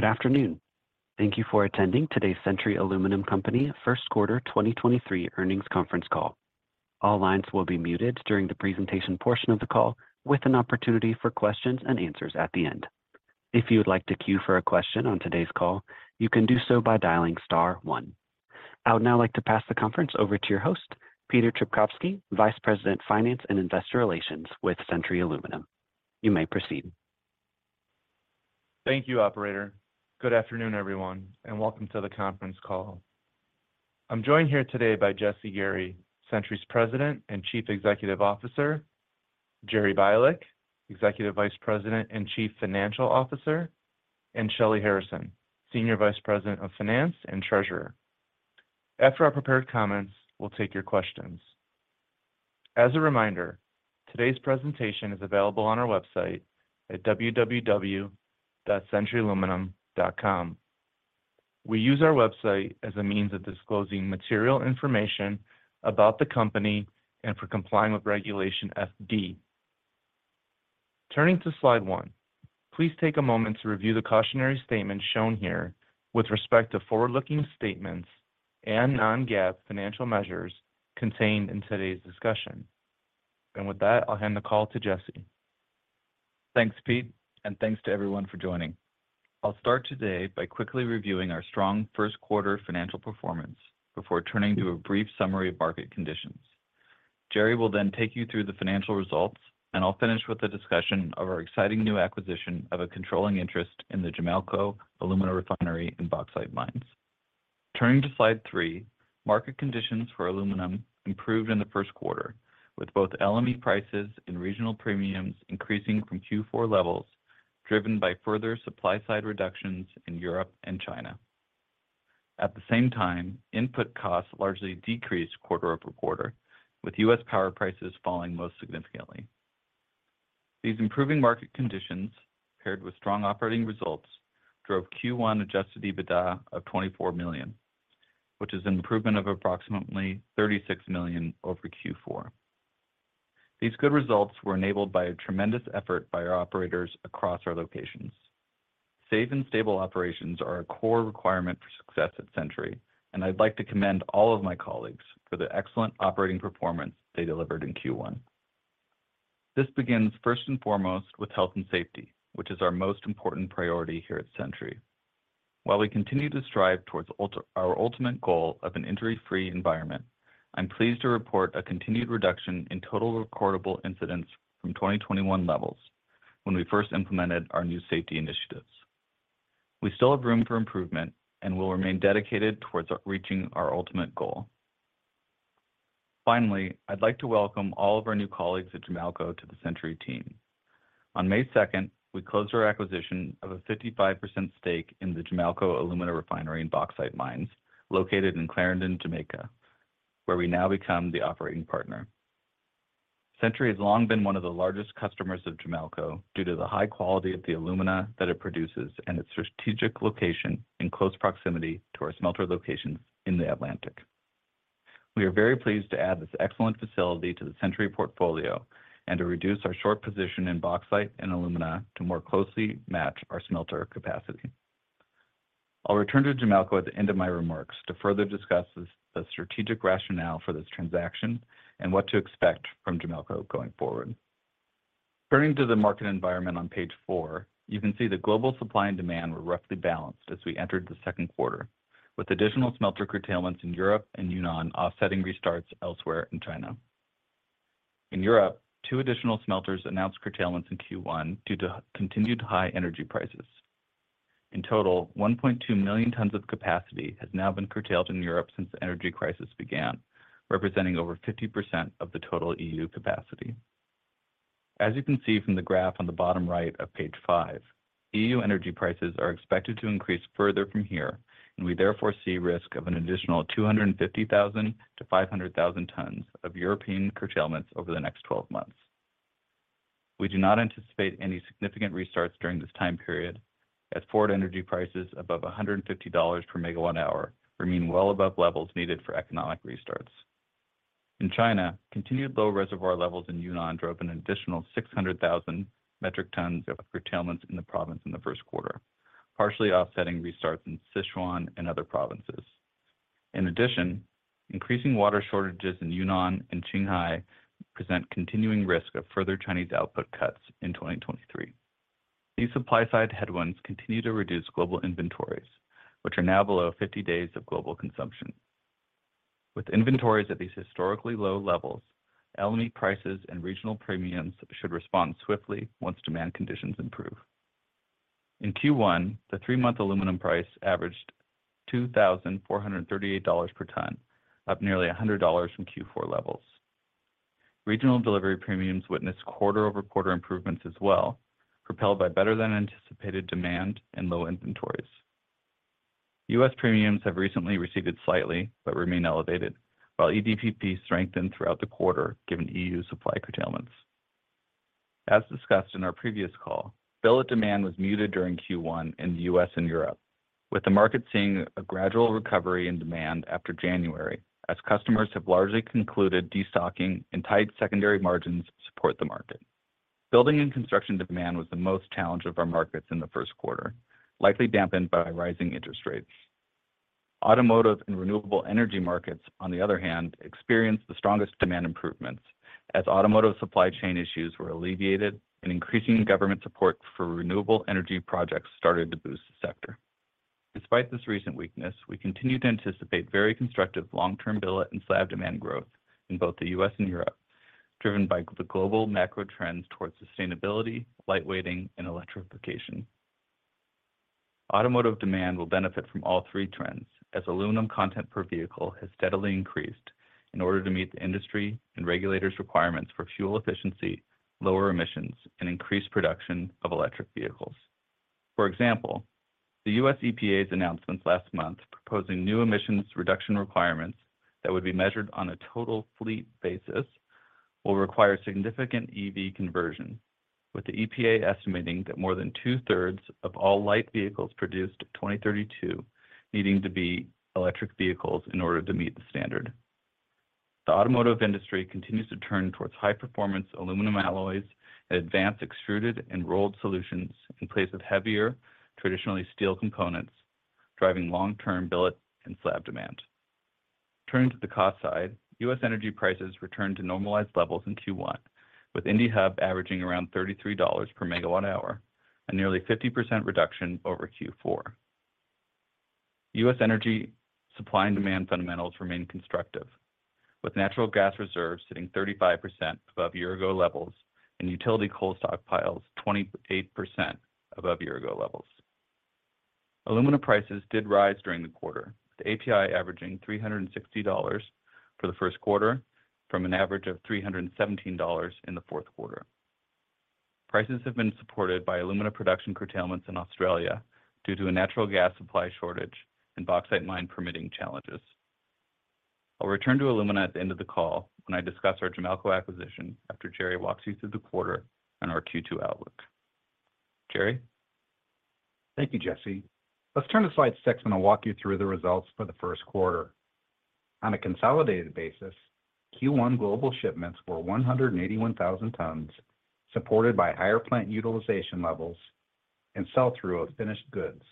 Good afternoon. Thank you for attending today's Century Aluminum Company first quarter 2023 earnings conference call. All lines will be muted during the presentation portion of the call with an opportunity for questions and answers at the end. If you would like to queue for a question on today's call, you can do so by dialing star one. I would now like to pass the conference over to your host, Peter Trpkovski, Vice President, Finance and Investor Relations with Century Aluminum. You may proceed. Thank you, operator. Good afternoon, everyone, welcome to the conference call. I'm joined here today by Jesse Gary, Century's President and Chief Executive Officer, Jerry Bialek, Executive Vice President and Chief Financial Officer, and Shelly Harrison, Senior Vice President of Finance and Treasurer. After our prepared comments, we'll take your questions. As a reminder, today's presentation is available on our website at www.centuryaluminum.com. We use our website as a means of disclosing material information about the company and for complying with Regulation FD. Turning to slide one, please take a moment to review the cautionary statement shown here with respect to forward-looking statements and non-GAAP financial measures contained in today's discussion. With that, I'll hand the call to Jesse. Thanks, Pete. Thanks to everyone for joining. I'll start today by quickly reviewing our strong first quarter financial performance before turning to a brief summary of market conditions. Jerry will then take you through the financial results, and I'll finish with a discussion of our exciting new acquisition of a controlling interest in the Jamalco Alumina Refinery in Bauxite Mines. Turning to slide 3, market conditions for aluminum improved in the first quarter, with both LME prices and regional premiums increasing from Q4 levels, driven by further supply-side reductions in Europe and China. At the same time, input costs largely decreased quarter-over-quarter, with U.S. power prices falling most significantly. These improving market conditions, paired with strong operating results, drove Q1 adjusted EBITDA of $24 million, which is an improvement of approximately $36 million over Q4. These good results were enabled by a tremendous effort by our operators across our locations. Safe and stable operations are a core requirement for success at Century. I'd like to commend all of my colleagues for the excellent operating performance they delivered in Q1. This begins first and foremost with health and safety, which is our most important priority here at Century. While we continue to strive towards our ultimate goal of an injury-free environment, I'm pleased to report a continued reduction in total recordable incidents from 2021 levels when we first implemented our new safety initiatives. We still have room for improvement and will remain dedicated towards reaching our ultimate goal. I'd like to welcome all of our new colleagues at Jamalco to the Century team. On May 2, we closed our acquisition of a 55% stake in the Jamalco Alumina Refinery in Bauxite Mines, located in Clarendon, Jamaica, where we now become the operating partner. Century has long been one of the largest customers of Jamalco due to the high quality of the alumina that it produces and its strategic location in close proximity to our smelter locations in the Atlantic. We are very pleased to add this excellent facility to the Century portfolio and to reduce our short position in bauxite and alumina to more closely match our smelter capacity. I'll return to Jamalco at the end of my remarks to further discuss the strategic rationale for this transaction and what to expect from Jamalco going forward. Turning to the market environment on page 4, you can see the global supply and demand were roughly balanced as we entered the second quarter, with additional smelter curtailments in Europe and Yunnan offsetting restarts elsewhere in China. In Europe, two additional smelters announced curtailments in Q1 due to continued high energy prices. In total, 1.2 million tons of capacity has now been curtailed in Europe since the energy crisis began, representing over 50% of the total EU capacity. As you can see from the graph on the bottom right of page 5, EU energy prices are expected to increase further from here. We therefore see risk of an additional 250,000-500,000 tons of European curtailments over the next 12 months. We do not anticipate any significant restarts during this time period, as forward energy prices above $150 per megawatt hour remain well above levels needed for economic restarts. In China, continued low reservoir levels in Yunnan drove an additional 600,000 metric tons of curtailments in the province in the first quarter, partially offsetting restarts in Sichuan and other provinces. In addition, increasing water shortages in Yunnan and Qinghai present continuing risk of further Chinese output cuts in 2023. These supply-side headwinds continue to reduce global inventories, which are now below 50 days of global consumption. With inventories at these historically low levels, LME prices and regional premiums should respond swiftly once demand conditions improve. In Q1, the three-month aluminum price averaged $2,438 per ton, up nearly $100 from Q4 levels. Regional delivery premiums witnessed quarter-over-quarter improvements as well, propelled by better-than-anticipated demand and low inventories. U.S. premiums have recently receded slightly but remain elevated, while EDPP strengthened throughout the quarter given EU supply curtailments. As discussed in our previous call, billet demand was muted during Q1 in the U.S. and Europe. With the market seeing a gradual recovery in demand after January, as customers have largely concluded destocking and tight secondary margins support the market. Building and construction demand was the most challenged of our markets in the first quarter, likely dampened by rising interest rates. Automotive and renewable energy markets, on the other hand, experienced the strongest demand improvements as automotive supply chain issues were alleviated and increasing government support for renewable energy projects started to boost the sector. Despite this recent weakness, we continue to anticipate very constructive long-term billet and slab demand growth in both the U.S. and Europe, driven by the global macro trends towards sustainability, light weighting and electrification. Automotive demand will benefit from all three trends as aluminum content per vehicle has steadily increased in order to meet the industry and regulators' requirements for fuel efficiency, lower emissions and increased production of electric vehicles. For example, the U.S. EPA's announcements last month proposing new emissions reduction requirements that would be measured on a total fleet basis will require significant EV conversion, with the EPA estimating that more than two-thirds of all light vehicles produced in 2032 needing to be electric vehicles in order to meet the standard. The automotive industry continues to turn towards high-performance aluminum alloys and advanced extruded enrolled solutions in place of heavier, traditionally steel components, driving long-term billet and slab demand. Turning to the cost side, U.S. energy prices returned to normalized levels in Q1, with Indiana Hub averaging around $33 per megawatt hour, a nearly 50% reduction over Q4. U.S. energy supply and demand fundamentals remain constructive, with natural gas reserves sitting 35% above year-ago levels and utility coal stockpiles 28% above year-ago levels. Alumina prices did rise during the quarter, with API averaging $360 for the first quarter from an average of $317 in the fourth quarter. Prices have been supported by alumina production curtailments in Australia due to a natural gas supply shortage and bauxite mine permitting challenges. I'll return to alumina at the end of the call when I discuss our Jamalco acquisition after Jerry walks you through the quarter and our Q2 outlook. Jerry? Thank you, Jesse. Let's turn to slide 6, and I'll walk you through the results for the first quarter. On a consolidated basis, Q1 global shipments were 181,000 tons, supported by higher plant utilization levels and sell-through of finished goods.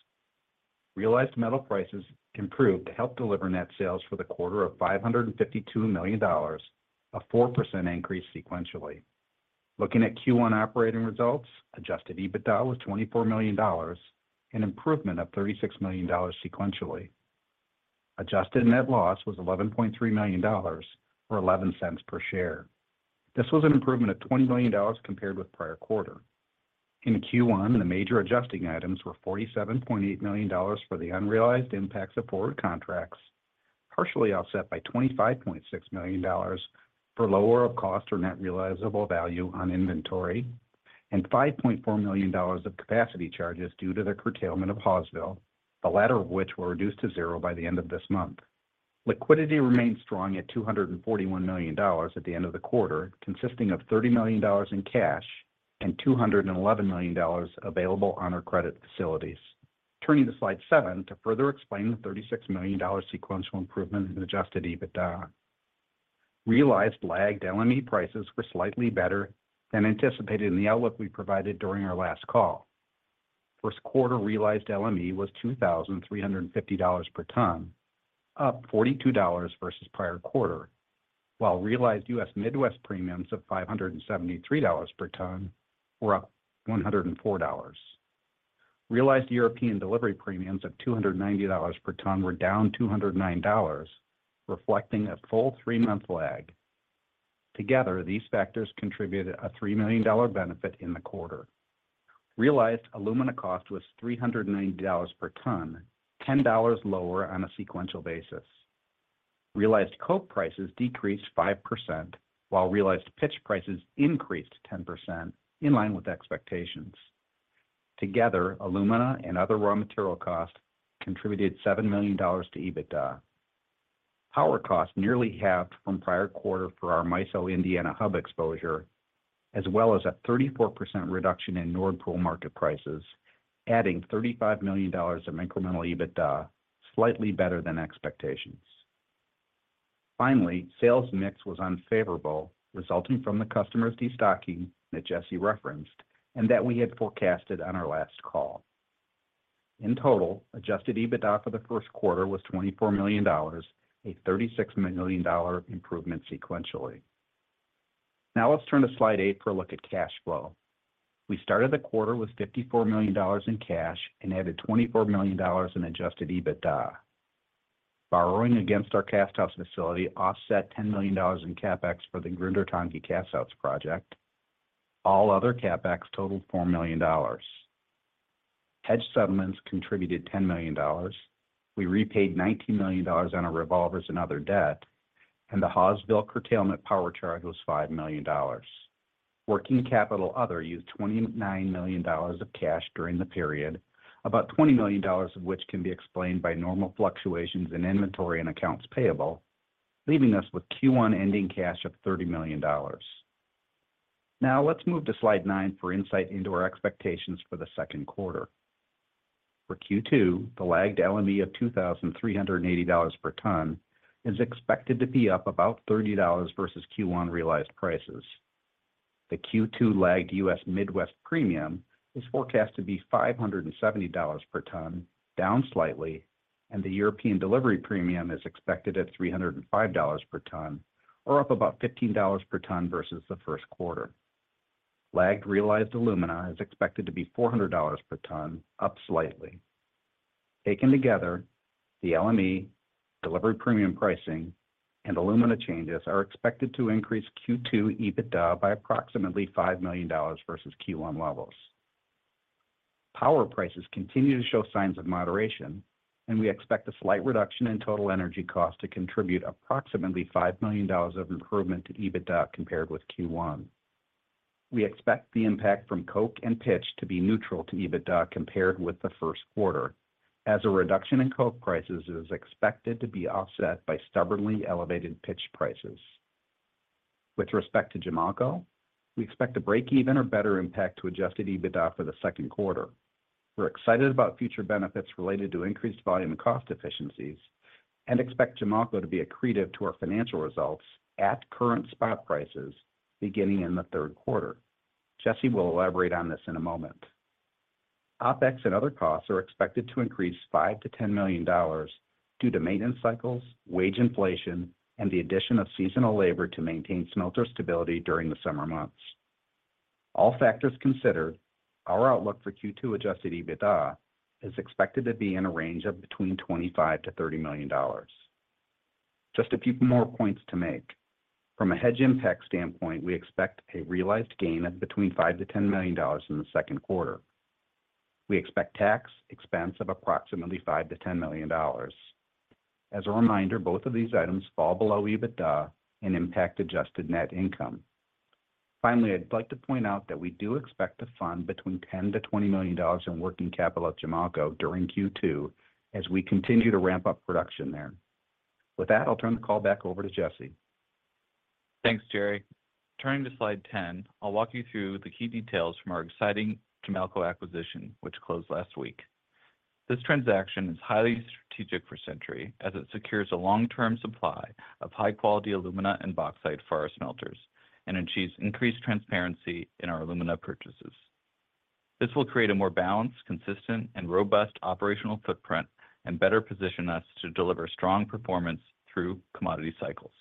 Realized metal prices improved to help deliver net sales for the quarter of $552 million, a 4% increase sequentially. Looking at Q1 operating results, adjusted EBITDA was $24 million, an improvement of $36 million sequentially. Adjusted net loss was $11.3 million or $0.11 per share. This was an improvement of $20 million compared with prior quarter. In Q1, the major adjusting items were $47.8 million for the unrealized impacts of forward contracts, partially offset by $25.6 million for lower of cost or net realizable value on inventory, and $5.4 million of capacity charges due to the curtailment of Hawesville, the latter of which were reduced to zero by the end of this month. Liquidity remains strong at $241 million at the end of the quarter, consisting of $30 million in cash and $211 million available on our credit facilities. Turning to slide 7 to further explain the $36 million sequential improvement in adjusted EBITDA. Realized lagged LME prices were slightly better than anticipated in the outlook we provided during our last call. First quarter realized LME was $2,350 per ton, up $42 versus prior quarter, while realized US Midwest premiums of $573 per ton were up $104. Realized European delivery premiums of $290 per ton were down $209, reflecting a full 3-month lag. Together, these factors contributed a $3 million benefit in the quarter. Realized alumina cost was $390 per ton, $10 lower on a sequential basis. Realized coke prices decreased 5%, while realized pitch prices increased 10% in line with expectations. Together, alumina and other raw material costs contributed $7 million to EBITDA. Power costs nearly halved from prior quarter for our MISO Indiana Hub exposure, as well as a 34% reduction in Nord Pool market prices, adding $35 million of incremental EBITDA, slightly better than expectations. Sales mix was unfavorable, resulting from the customers destocking that Jesse referenced, and that we had forecasted on our last call. In total, adjusted EBITDA for the first quarter was $24 million, a $36 million improvement sequentially. Let's turn to slide 8 for a look at cash flow. We started the quarter with $54 million in cash and added $24 million in adjusted EBITDA. Borrowing against our casthouse facility offset $10 million in CapEx for the Grundartangi casthouse project. All other CapEx totaled $4 million. Hedge settlements contributed $10 million. We repaid $19 million on our revolvers and other debt, and the Hawesville curtailment power charge was $5 million. Working capital other used $29 million of cash during the period, about $20 million of which can be explained by normal fluctuations in inventory and accounts payable, leaving us with Q1 ending cash of $30 million. Now let's move to slide 9 for insight into our expectations for the second quarter. For Q2, the lagged LME of $2,380 per ton is expected to be up about $30 versus Q1 realized prices. The Q2 lagged U.S. Midwest premium is forecast to be $570 per ton, down slightly, and the European delivery premium is expected at $305 per ton or up about $15 per ton versus the first quarter. Lagged realized alumina is expected to be $400 per ton, up slightly. Taken together, the LME delivery premium pricing and alumina changes are expected to increase Q2 EBITDA by approximately $5 million versus Q1 levels. Power prices continue to show signs of moderation, and we expect a slight reduction in total energy costs to contribute approximately $5 million of improvement to EBITDA compared with Q1. We expect the impact from coke and pitch to be neutral to EBITDA compared with the first quarter as a reduction in coke prices is expected to be offset by stubbornly elevated pitch prices. With respect to Jamalco, we expect a break-even or better impact to adjusted EBITDA for the second quarter. We're excited about future benefits related to increased volume and cost efficiencies and expect Jamalco to be accretive to our financial results at current spot prices beginning in the third quarter. Jesse will elaborate on this in a moment. OpEx and other costs are expected to increase $5 million-$10 million due to maintenance cycles, wage inflation, and the addition of seasonal labor to maintain smelter stability during the summer months. All factors considered, our outlook for Q2 adjusted EBITDA is expected to be in a range of between $25 million-$30 million. Just a few more points to make. From a hedge impact standpoint, we expect a realized gain of between $5 million-$10 million in the second quarter. We expect tax expense of approximately $5 million–$10 million. As a reminder, both of these items fall below EBITDA and impact adjusted net income. Finally, I'd like to point out that we do expect to fund between $10 million–$20 million in working capital at Jamalco during Q2 as we continue to ramp up production there. With that, I'll turn the call back over to Jesse. Thanks, Jerry. Turning to slide 10, I'll walk you through the key details from our exciting Jamalco acquisition, which closed last week. This transaction is highly strategic for Century as it secures a long-term supply of high-quality alumina and bauxite for our smelters and achieves increased transparency in our alumina purchases. This will create a more balanced, consistent, and robust operational footprint and better position us to deliver strong performance through commodity cycles.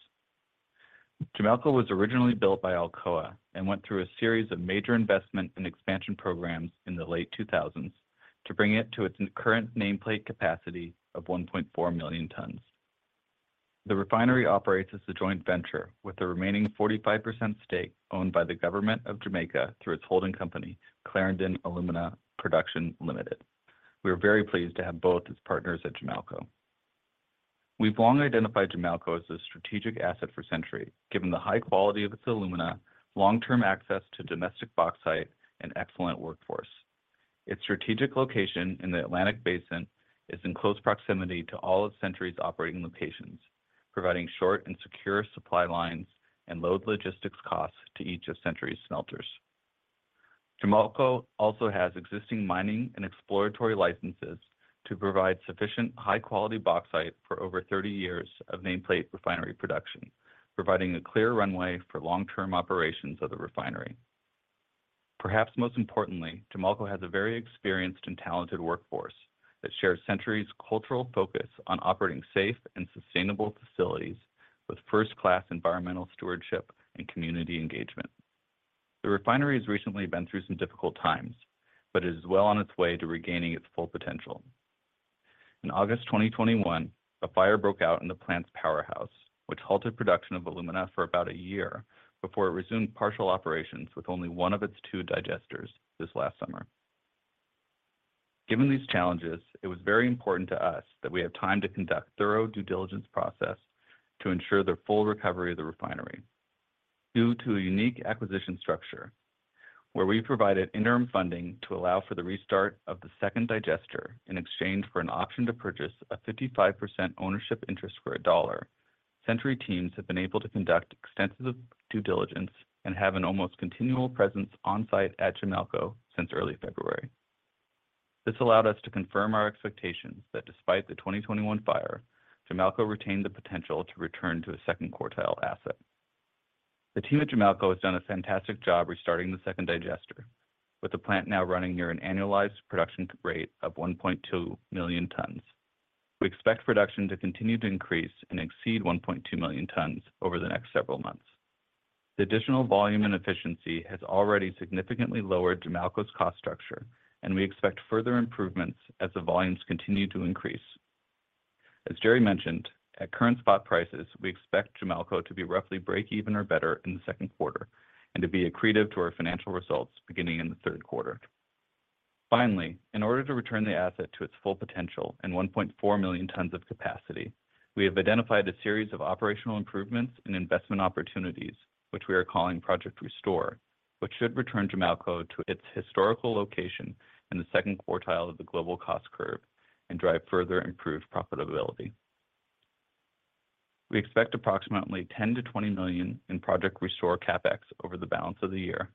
Jamalco was originally built by Alcoa and went through a series of major investment and expansion programs in the late 2000s to bring it to its current nameplate capacity of 1.4 million tons. The refinery operates as a joint venture with the remaining 45% stake owned by the government of Jamaica through its holding company, Clarendon Alumina Production Limited. We are very pleased to have both as partners at Jamalco. We've long identified Jamalco as a strategic asset for Century, given the high quality of its alumina, long-term access to domestic bauxite, and excellent workforce. Its strategic location in the Atlantic Basin is in close proximity to all of Century's operating locations, providing short and secure supply lines and low logistics costs to each of Century's smelters. Jamalco also has existing mining and exploratory licenses to provide sufficient high-quality bauxite for over 30 years of nameplate refinery production, providing a clear runway for long-term operations of the refinery. Perhaps most importantly, Jamalco has a very experienced and talented workforce that shares Century's cultural focus on operating safe and sustainable facilities with first-class environmental stewardship and community engagement. The refinery has recently been through some difficult times, but it is well on its way to regaining its full potential. In August 2021, a fire broke out in the plant's powerhouse, which halted production of alumina for about a year before it resumed partial operations with only 1 of its 2 digesters this last summer. Given these challenges, it was very important to us that we have time to conduct thorough due diligence process to ensure the full recovery of the refinery. Due to a unique acquisition structure where we provided interim funding to allow for the restart of the second digester in exchange for an option to purchase a 55% ownership interest for $1, Century teams have been able to conduct extensive due diligence and have an almost continual presence on-site at Jamalco since early February. This allowed us to confirm our expectations that despite the 2021 fire, Jamalco retained the potential to return to a second quartile asset. The team at Jamalco has done a fantastic job restarting the second digester, with the plant now running near an annualized production rate of 1.2 million tons. We expect production to continue to increase and exceed 1.2 million tons over the next several months. The additional volume and efficiency has already significantly lowered Jamalco's cost structure, and we expect further improvements as the volumes continue to increase. As Jerry mentioned, at current spot prices, we expect Jamalco to be roughly break even or better in the second quarter and to be accretive to our financial results beginning in the third quarter. In order to return the asset to its full potential and 1.4 million tons of capacity, we have identified a series of operational improvements and investment opportunities, which we are calling Project Restore, which should return Jamalco to its historical location in the second quartile of the global cost curve and drive further improved profitability. We expect approximately $10 million-$20 million in Project Restore CapEx over the balance of the year,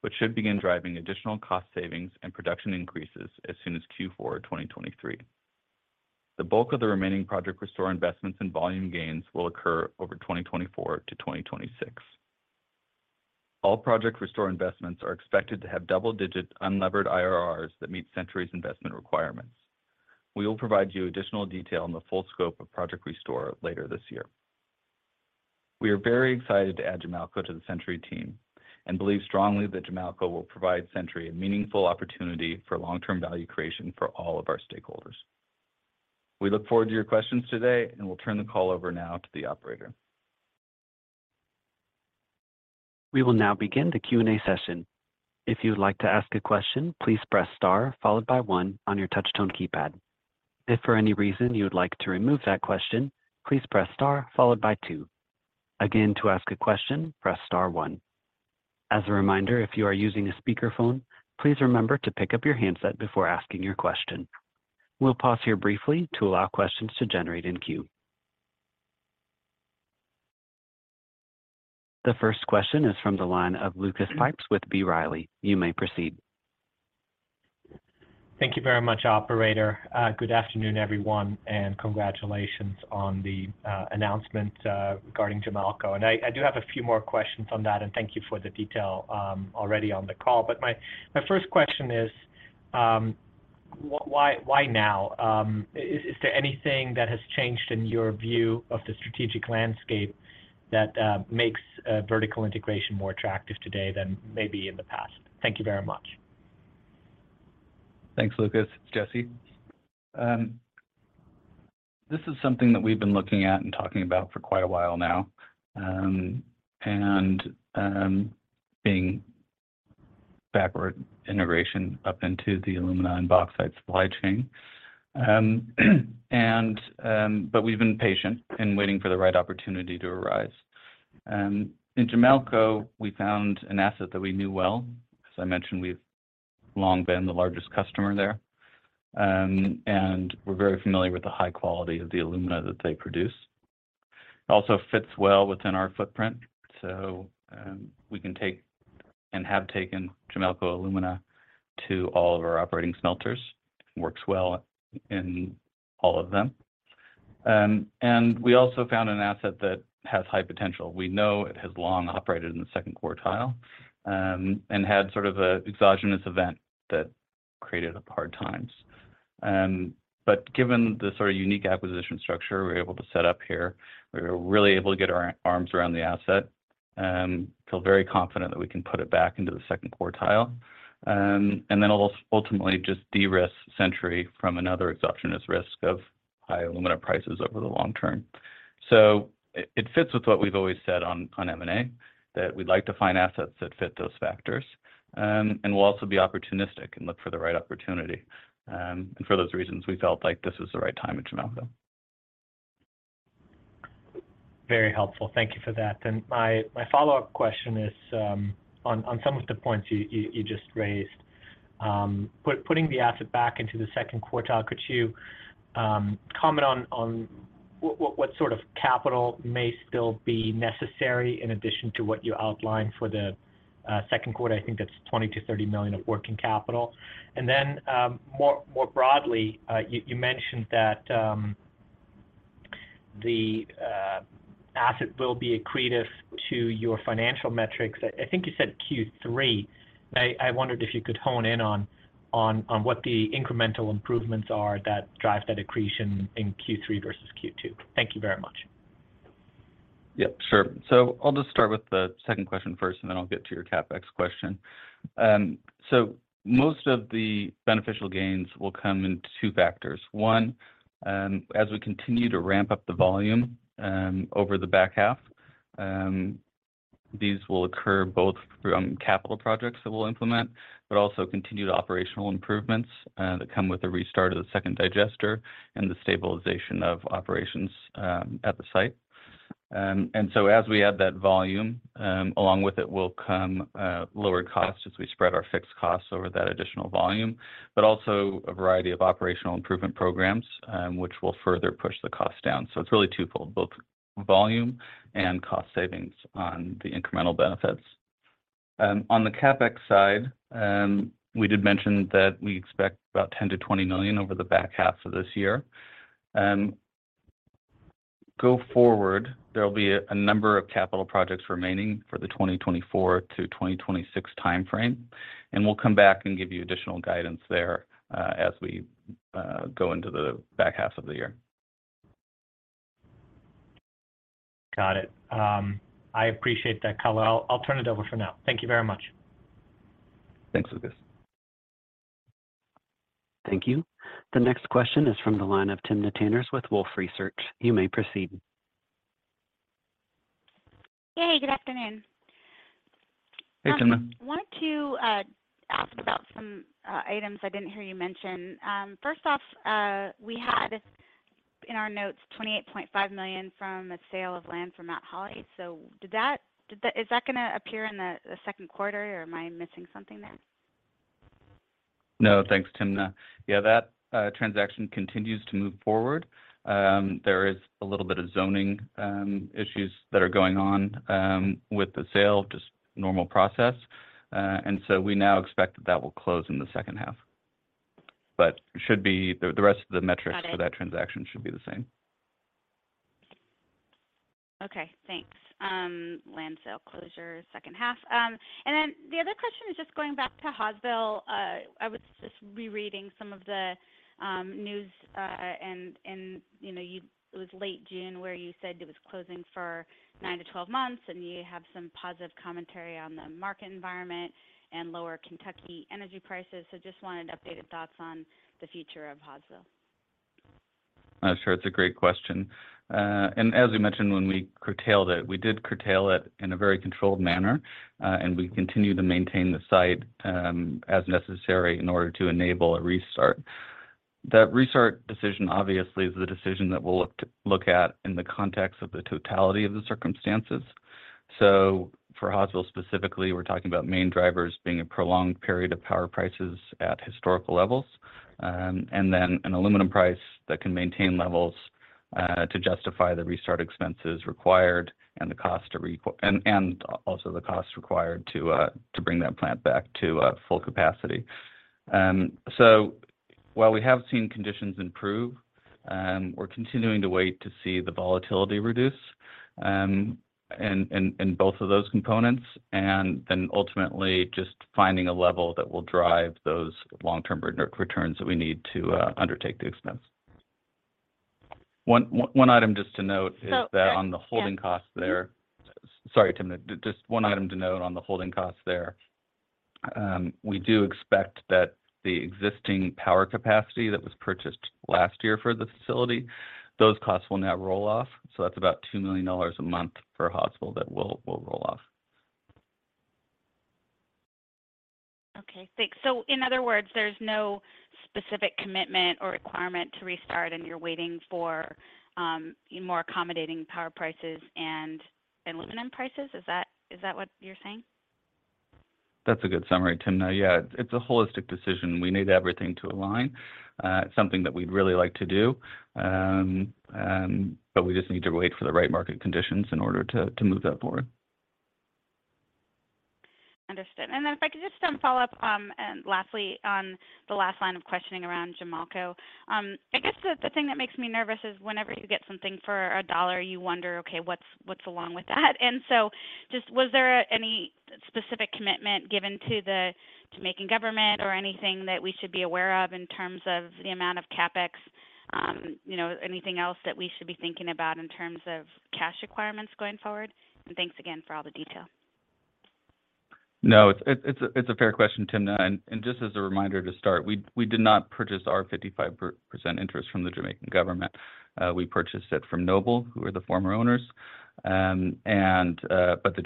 which should begin driving additional cost savings and production increases as soon as Q4 2023. The bulk of the remaining Project Restore investments and volume gains will occur over 2024-2026. All Project Restore investments are expected to have double-digit unlevered IRRs that meet Century's investment requirements. We will provide you additional detail on the full scope of Project Restore later this year. We are very excited to add Jamalco to the Century team and believe strongly that Jamalco will provide Century a meaningful opportunity for long-term value creation for all of our stakeholders. We look forward to your questions today, we'll turn the call over now to the operator. We will now begin the Q&A session. If you'd like to ask a question, please press star followed by one on your touch tone keypad. If for any reason you would like to remove that question, please press star followed by two. Again, to ask a question, press star one. As a reminder, if you are using a speakerphone, please remember to pick up your handset before asking your question. We'll pause here briefly to allow questions to generate in queue. The first question is from the line of Lucas Pipes with B. Riley. You may proceed. Thank you very much, operator. Good afternoon, everyone, and congratulations on the announcement regarding Jamalco. I do have a few more questions on that, and thank you for the detail already on the call. My first question is, why now? Is there anything that has changed in your view of the strategic landscape that makes vertical integration more attractive today than maybe in the past? Thank you very much. Thanks, Lucas. It's Jesse. This is something that we've been looking at and talking about for quite a while now, being backward integration up into the alumina and bauxite supply chain. We've been patient in waiting for the right opportunity to arise. In Jamalco, we found an asset that we knew well. As I mentioned, we've long been the largest customer there. We're very familiar with the high quality of the alumina that they produce. It also fits well within our footprint, so we can take and have taken Jamalco Alumina to all of our operating smelters. Works well in all of them. We also found an asset that has high potential. We know it has long operated in the second quartile, and had sort of an exogenous event that created hard times. Given the sort of unique acquisition structure we're able to set up here, we were really able to get our arms around the asset, feel very confident that we can put it back into the second quartile. It'll ultimately just de-risk Century from another exogenous risk of high alumina prices over the long term. It fits with what we've always said on M&A, that we'd like to find assets that fit those factors. We'll also be opportunistic and look for the right opportunity. For those reasons, we felt like this was the right time in Jamalco. Very helpful. Thank you for that. My follow-up question is on some of the points you just raised. Putting the asset back into the second quartile, could you comment on what sort of capital may still be necessary in addition to what you outlined for the second quarter? I think that's $20 million–$30 million of working capital. More broadly, you mentioned that the asset will be accretive to your financial metrics. I think you said Q three. I wondered if you could hone in on what the incremental improvements are that drive that accretion in Q three versus Q two. Thank you very much. Yeah, sure. I'll just start with the second question first, and then I'll get to your CapEx question. Most of the beneficial gains will come in two factors. One, as we continue to ramp up the volume over the back half, these will occur both from capital projects that we'll implement, but also continued operational improvements that come with the restart of the second digester and the stabilization of operations at the site. As we add that volume, along with it will come lower costs as we spread our fixed costs over that additional volume, but also a variety of operational improvement programs which will further push the cost down. It's really twofold, both volume and cost savings on the incremental benefits. On the CapEx side, we did mention that we expect about $10 million–$20 million over the back half of this year. Go forward, there will be a number of capital projects remaining for the 2024-2026 timeframe. We'll come back and give you additional guidance there as we go into the back half of the year. Got it. I appreciate that color. I'll turn it over for now. Thank you very much. Thanks, Lucas. Thank you. The next question is from the line of Timna Tanners with Wolfe Research. You may proceed. Hey, good afternoon. Hey, Tim. Wanted to ask about some items I didn't hear you mention. First off, we had in our notes $28.5 million from a sale of land from Mount Holly. Is that gonna appear in the second quarter, or am I missing something there? No, thanks, Timna. Yeah, that transaction continues to move forward. There is a little bit of zoning issues that are going on with the sale, just normal process. We now expect that that will close in the second half. The rest of the metrics. Got it. for that transaction should be the same. Okay, thanks. Land sale closure second half. The other question is just going back to Hawesville. I was just rereading some of the news, you know, it was late June where you said it was closing for 9–12 months, and you have some positive commentary on the market environment and lower Kentucky energy prices. Just wanted updated thoughts on the future of Hawesville. Sure. It's a great question. As we mentioned when we curtailed it, we did curtail it in a very controlled manner, and we continue to maintain the site as necessary in order to enable a restart. That restart decision, obviously, is the decision that we'll look at in the context of the totality of the circumstances. For Hawesville specifically, we're talking about main drivers being a prolonged period of power prices at historical levels, and then an aluminum price that can maintain levels to justify the restart expenses required and also the cost required to bring that plant back to full capacity. While we have seen conditions improve, we're continuing to wait to see the volatility reduce, in both of those components and then ultimately just finding a level that will drive those long-term re-returns that we need to undertake the expense. One item just to note. Oh, yeah.... on the holding costs there. Sorry, Timna. Just one item to note on the holding costs there. We do expect that the existing power capacity that was purchased last year for the facility, those costs will now roll off, so that's about $2 million a month per potline that will roll off. Okay, thanks. In other words, there's no specific commitment or requirement to restart, and you're waiting for more accommodating power prices and aluminum prices. Is that what you're saying? That's a good summary, Timna. Yeah. It's a holistic decision. We need everything to align. It's something that we'd really like to do, but we just need to wait for the right market conditions in order to move that forward. Understood. If I could just follow up and lastly on the last line of questioning around Jamalco. I guess the thing that makes me nervous is whenever you get something for $1, you wonder, okay, what's along with that? Just was there any specific commitment given to the Jamaican government or anything that we should be aware of in terms of the amount of CapEx, you know, anything else that we should be thinking about in terms of cash requirements going forward? Thanks again for all the detail. No, it's a fair question, Timna. Just as a reminder to start, we did not purchase our 55% interest from the Jamaican government. We purchased it from Noble, who are the former owners. The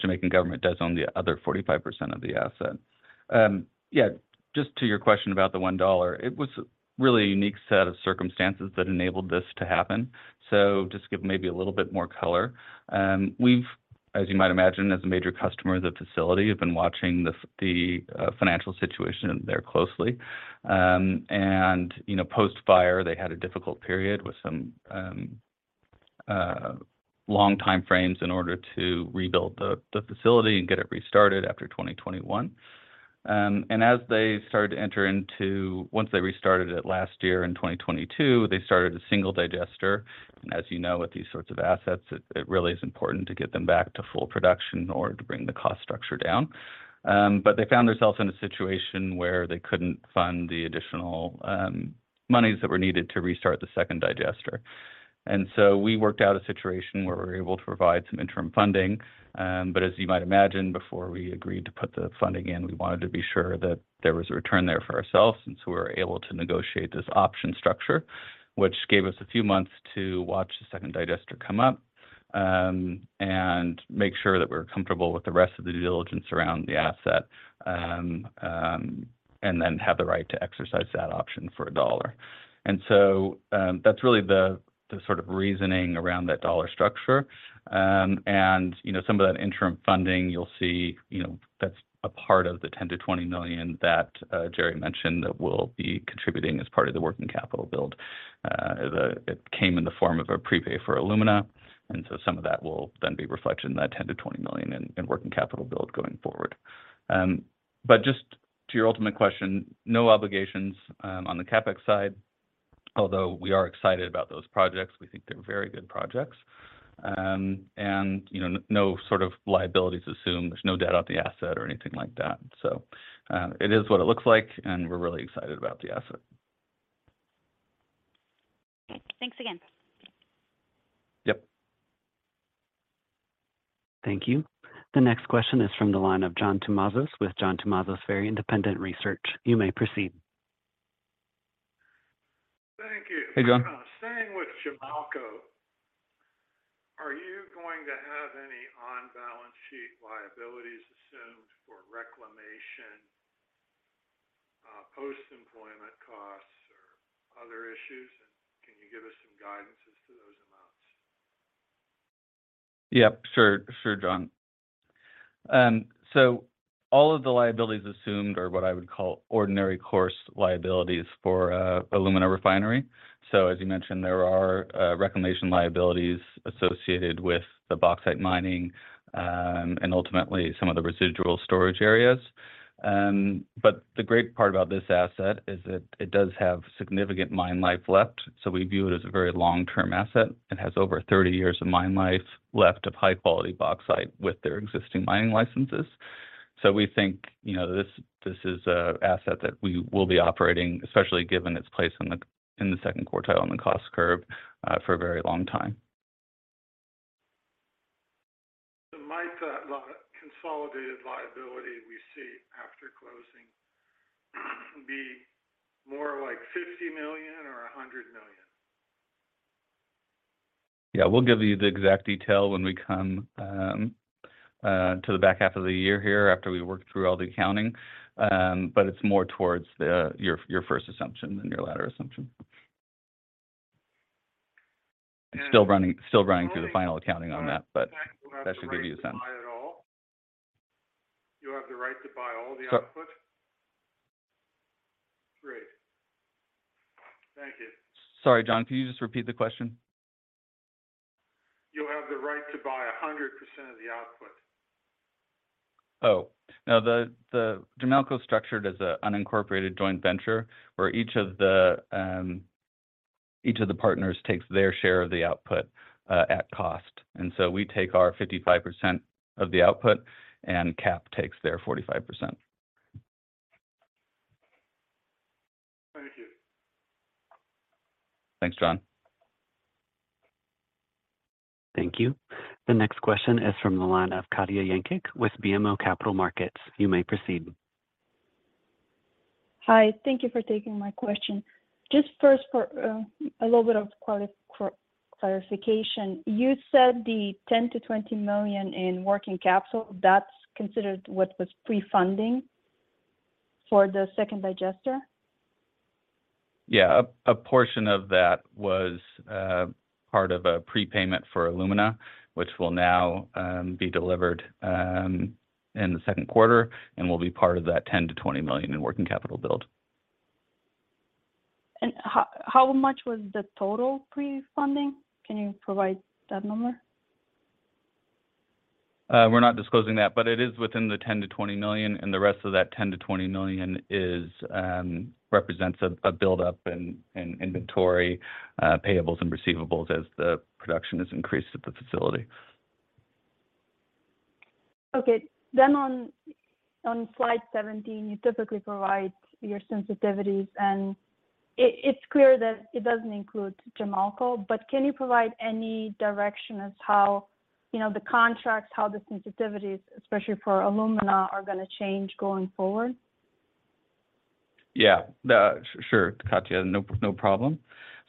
Jamaican government does own the other 45% of the asset. Yeah, just to your question about the $1, it was a really unique set of circumstances that enabled this to happen. Just to give maybe a little bit more color, we've, as you might imagine, as a major customer of the facility, have been watching the financial situation there closely. You know, post-fire, they had a difficult period with some long time frames in order to rebuild the facility and get it restarted after 2021. Once they restarted it last year in 2022, they started a single digester. As you know, with these sorts of assets, it really is important to get them back to full production or to bring the cost structure down. They found themselves in a situation where they couldn't fund the additional monies that were needed to restart the second digester. We worked out a situation where we're able to provide some interim funding. As you might imagine, before we agreed to put the funding in, we wanted to be sure that there was a return there for ourselves. We were able to negotiate this option structure, which gave us a few months to watch the second digester come up, and make sure that we're comfortable with the rest of the due diligence around the asset, and then have the right to exercise that option for $1. That's really the sort of reasoning around that dollar structure. And, you know, some of that interim funding you'll see, you know, that's a part of the $10 million–$20 million that Jerry mentioned that we'll be contributing as part of the working capital build. It came in the form of a prepay for alumina, and so some of that will then be reflected in that $10 million–$20 million in working capital build going forward. Just to your ultimate question, no obligations on the CapEx side, although we are excited about those projects. We think they're very good projects. And, you know, no sort of liabilities assumed. There's no debt on the asset or anything like that. It is what it looks like, and we're really excited about the asset. Okay. Thanks again. Yep. Thank you. The next question is from the line of John Tumazos with John Tumazos Very Independent Research. You may proceed. Thank you. Hey, John. Staying with Jamalco, are you going to have any on-balance sheet liabilities assumed for reclamation, post-employment costs or other issues? Can you give us some guidance as to those amounts? Yep, sure. Sure, John. All of the liabilities assumed are what I would call ordinary course liabilities for alumina refinery. As you mentioned, there are reclamation liabilities associated with the bauxite mining, and ultimately some of the residual storage areas. The great part about this asset is that it does have significant mine life left, so we view it as a very long-term asset. It has over 30 years of mine life left of high quality bauxite with their existing mining licenses. We think, you know, this is an asset that we will be operating, especially given its place in the, in the second quartile on the cost curve, for a very long time. Might that consolidated liability we see after closing be more like $50 million or $100 million? Yeah. We'll give you the exact detail when we come to the back half of the year here after we work through all the accounting. It's more towards the, your first assumption than your latter assumption. Still running through the final accounting on that should give you a sense. You have the right to buy all the output? So- Great. Thank you. Sorry, John, can you just repeat the question? You'll have the right to buy 100% of the output. No. The Jamalco's structured as a unincorporated joint venture where each of the partners takes their share of the output at cost. We take our 55% of the output, and CAP takes their 45%. Thank you. Thanks, John. Thank you. The next question is from the line of Katja Jancic with BMO Capital Markets. You may proceed. Hi. Thank you for taking my question. Just first for a little bit of clarification. You said the $10 million–$20 million in working capital, that's considered what was pre-funding for the second digester? Yeah. A portion of that was part of a prepayment for alumina, which will now be delivered in the second quarter and will be part of that $10 million-$20 million in working capital build. How much was the total pre-funding? Can you provide that number? We're not disclosing that, but it is within the $10 million–$20 million. The rest of that $10 million–$20 million represents a buildup in inventory, payables and receivables as the production is increased at the facility. Okay. On slide 17, you typically provide your sensitivities, and it's clear that it doesn't include Jamalco, but can you provide any direction as how, you know, the contracts, how the sensitivities, especially for alumina, are gonna change going forward? Yeah. Sure, Katja. No, no problem.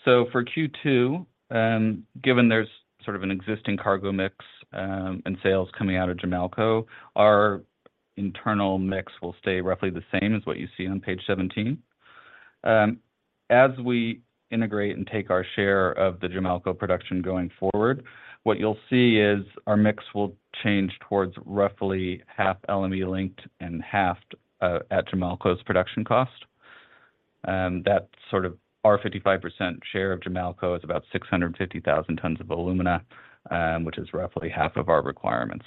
For Q2, given there's sort of an existing cargo mix, and sales coming out of Jamalco, our internal mix will stay roughly the same as what you see on page 17. As we integrate and take our share of the Jamalco production going forward, what you'll see is our mix will change towards roughly half LME linked and half at Jamalco's production cost. That's sort of our 55% share of Jamalco is about 650,000 tons of alumina, which is roughly half of our requirements.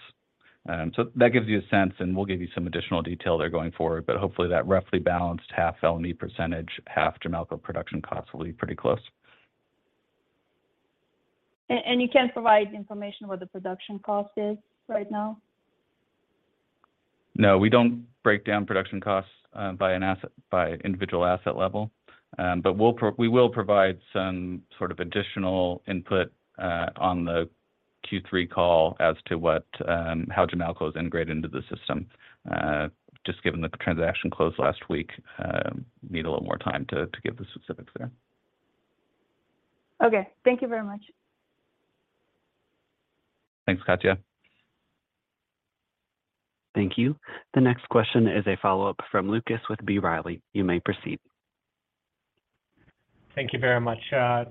That gives you a sense, and we'll give you some additional detail there going forward, but hopefully that roughly balanced half LME percentage, half Jamalco production cost will be pretty close. You can't provide information what the production cost is right now? No, we don't break down production costs, by individual asset level. We will provide some sort of additional input, on the Q3 call as to what, how Jamalco is integrated into the system. Given that the transaction closed last week, need a little more time to give the specifics there. Okay. Thank you very much. Thanks, Katja. Thank you. The next question is a follow-up from Lucas with B. Riley. You may proceed. Thank you very much.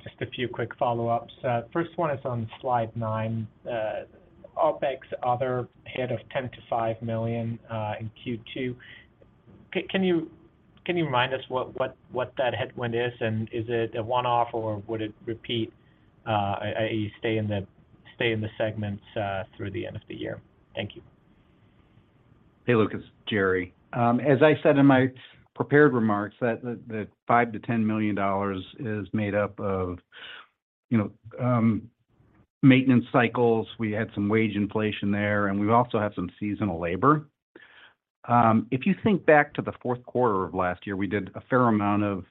Just a few quick follow-ups. First one is on slide 9. OpEx other head of $10 million–$5 million in Q2. Can you remind us what that headwind is? Is it a one-off, or would it repeat, i.e. stay in the segments through the end of the year? Thank you. Hey, Lucas. Jerry. As I said in my prepared remarks, that the $5 million-$10 million is made up of, you know, maintenance cycles. We had some wage inflation there, and we also have some seasonal labor. If you think back to the fourth quarter of last year, we did a fair amount of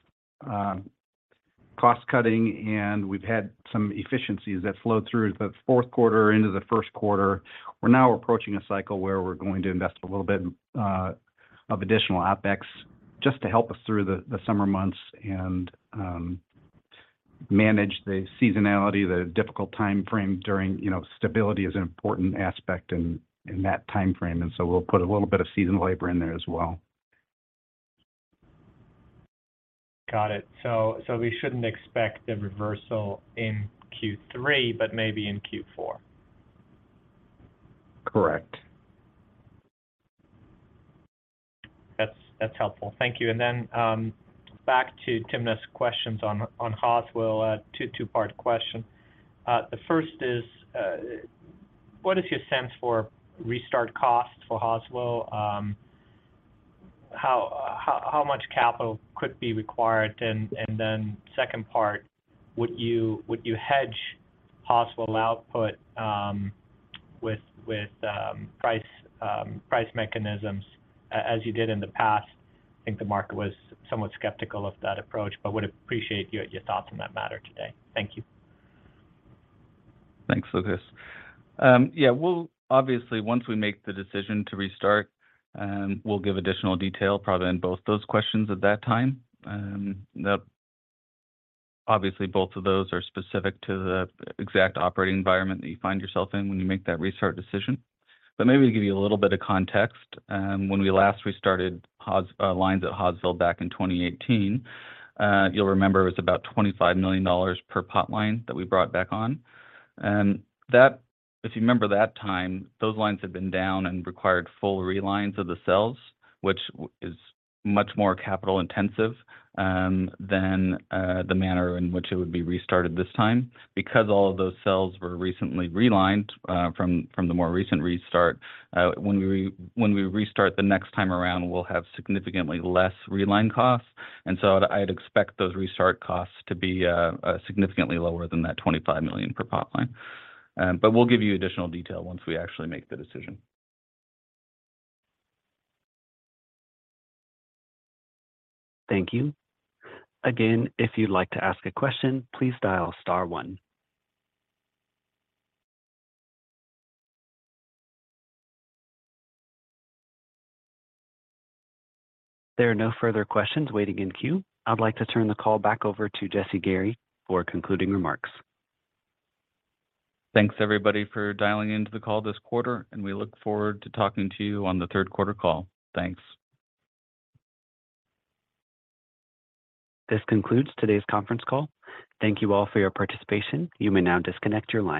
cost-cutting, and we've had some efficiencies that flowed through the fourth quarter into the first quarter. We're now approaching a cycle where we're going to invest a little bit of additional OpEx just to help us through the summer months and manage the seasonality, the difficult timeframe during, you know, stability is an important aspect in that timeframe. We'll put a little bit of seasonal labor in there as well. Got it. We shouldn't expect the reversal in Q3, but maybe in Q4? Correct. That's helpful. Thank you. Then, back to Timna's questions on Hawesville. Two-part question. The first is, what is your sense for restart costs for Hawesville? How much capital could be required? Then second part, would you hedge Hawesville output with price mechanisms as you did in the past? I think the market was somewhat skeptical of that approach, but would appreciate your thoughts on that matter today. Thank you. Thanks, Lucas. Obviously, once we make the decision to restart, we'll give additional detail probably on both those questions at that time. Obviously both of those are specific to the exact operating environment that you find yourself in when you make that restart decision. Maybe to give you a little bit of context, when we last restarted lines at Hawesville back in 2018, you'll remember it was about $25 million per potline that we brought back on. If you remember that time, those lines had been down and required full relines of the cells, which is much more capital intensive than the manner in which it would be restarted this time. Because all of those cells were recently relined, from the more recent restart, when we restart the next time around, we'll have significantly less reline costs. I'd expect those restart costs to be significantly lower than that $25 million per potline. We'll give you additional detail once we actually make the decision. Thank you. Again, if you'd like to ask a question, please dial star one. If there are no further questions waiting in queue, I'd like to turn the call back over to Jesse Gary for concluding remarks. Thanks everybody for dialing into the call this quarter, and we look forward to talking to you on the third quarter call. Thanks. This concludes today's conference call. Thank you all for your participation. You may now disconnect your lines.